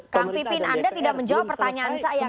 kang pipin anda tidak menjawab pertanyaan saya